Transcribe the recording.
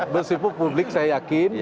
meskipun publik saya yakin